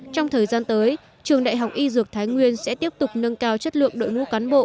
trong thời gian tới trường đại học y dược thái nguyên sẽ tiếp tục nâng cao chất lượng đội ngũ cán bộ